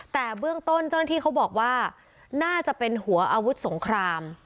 แต่เบื้องต้นเจ้าหน้าที่เขาบอกว่าน่าจะเป็นหัวอาวุธสงคราม